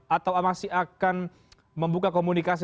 atau masih akan membuka komunikasi